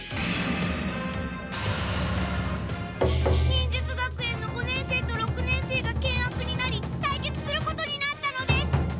忍術学園の五年生と六年生が険悪になり対決することになったのです。